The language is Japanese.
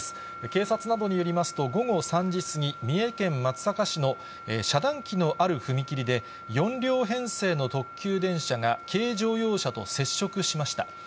警察などによりますと、午後３時過ぎ、三重県松阪市の遮断機のある踏切で、４両編成の特急電車が軽乗用車と接触しました。